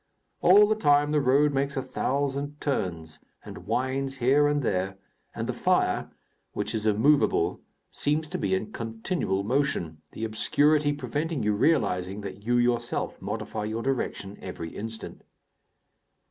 All the time the road makes a thousand turns, and winds here and there, and the fire which is immovable seems to be in continual motion, the obscurity preventing you realizing that you yourself modify your direction every instant.